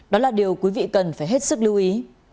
đó là điều quý vị cần phải hết sức lưu ý